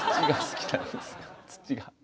土が。